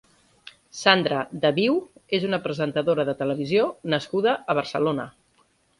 Sandra Daviú és una presentadora de televisió nascuda a Barcelona.